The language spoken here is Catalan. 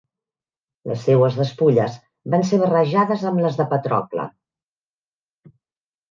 Les seues despulles van ser barrejades amb les de Patrocle.